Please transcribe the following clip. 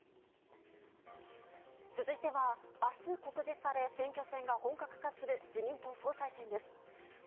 続いては、明日告示され選挙戦が本格化する自民党総裁選です。